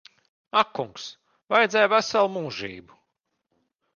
Ak kungs. Vajadzēja veselu mūžību.